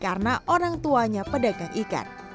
karena orang tuanya pedangkan ikan